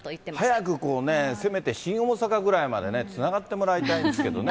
早くこうね、せめて新大阪ぐらいまでね、つながってもらいたいんですけどね。